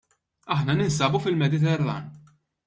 Aħna ninsabu fil-Mediterran.